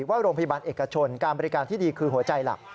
ว่าโรงพยาบาลเอกชนการบริการที่ดีคือหัวใจหลัก